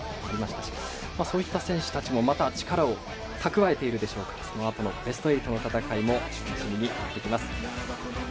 そういった選手たちも、また力をたくわえているでしょうからこのあとのベスト８の戦いも楽しみになってきます。